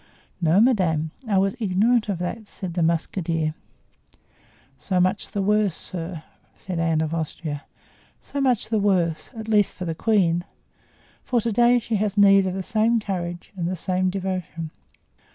"No, madame, I was ignorant of that," said the musketeer. "So much the worse, sir," said Anne of Austria; "so much the worse, at least for the queen, for to day she has need of the same courage and the same devotion."